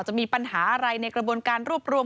จะมีปัญหาอะไรในกระบวนการรวบรวม